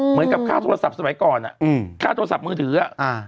เหมือนกับค่าโทรศัพท์สมัยก่อนค่าโทรศัพท์มือถือ